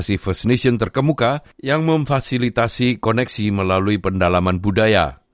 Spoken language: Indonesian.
seorang wanita minyulbal arbella douglas adalah pendiri curry country